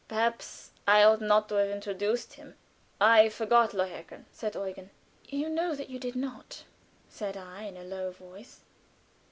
"Perhaps I ought not to have introduced him. I forgot 'Lohengrin,'" said Eugen. "You know that you did not," said I, in a low voice.